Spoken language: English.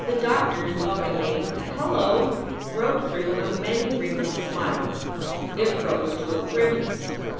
The doctor s welcoming "Hello!" broke through a many wrinkled smile. It froze to a grimace.